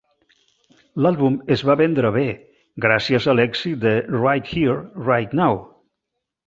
L'àlbum es va vendre bé, gràcies a l'èxit de "Right Here, Right Now".